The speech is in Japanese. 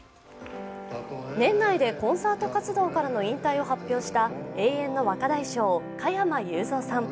年内でコンサート活動からの引退を発表した永遠の若大将、加山雄三さん。